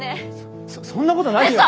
そそんなことないよ。